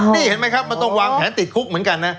นี่เห็นไหมครับมันต้องวางแผนติดคุกเหมือนกันนะ